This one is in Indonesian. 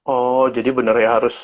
oh jadi bener ya harus